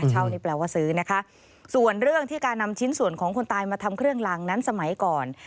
เช่านี่แปลว่าซื้อนะคะส่วนเรื่องที่การนำชิ้นส่วนของคนตายมาทำเครื่องลางนั้นสมัยก่อน